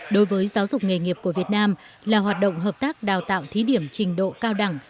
đối với giáo dục nghề nghiệp của việt nam là hoạt động hợp tác đào tạo thí điểm trình độ cao đẳng